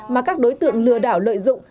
mà các đối tượng lừa đảo lợi dụng